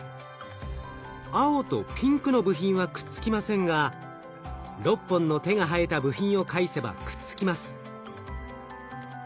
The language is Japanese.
青とピンクの部品はくっつきませんが６本の手が生えた部品を介せばくっつきます。